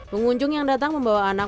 pengunjung yang datang membawa anak